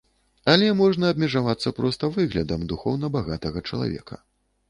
Але можна абмежавацца проста выглядам духоўна багатага чалавека.